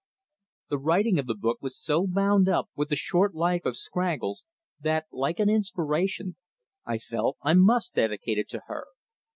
The writing of the book was so bound up with the short life of Scraggles that, like an inspiration, I felt I must dedicate it to her.